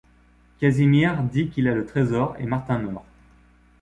Casimir dit qu'il a le trésor et Martin meurt.